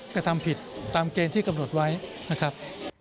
กระทำผิดตามเกณฑ์ที่กำหนดไว้นะครับ